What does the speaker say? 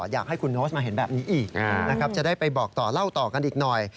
อยากให้คุณโน้ตมาเห็นแบบนี้อีกนะครับจะได้ไปบอกต่อเล่าต่อกันอีกหน่อย